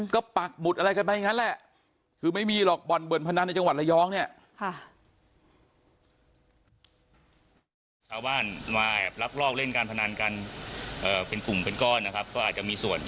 ก็ปักหมุดอะไรกันไปอย่างนั้นแหละคือไม่มีหรอกบ่อนบนพนันในจังหวัดระยองเนี่ย